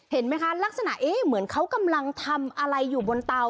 เห็นไหมคะลักษณะเอ๊ะเหมือนเขากำลังทำอะไรอยู่บนเตา